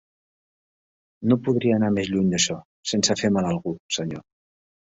No podria anar més lluny d'això, sense fer mal a algú, senyor.